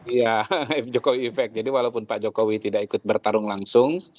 ya jokowi effect jadi walaupun pak jokowi tidak ikut bertarung langsung